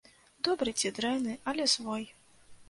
Добры ці дрэнны, але свой.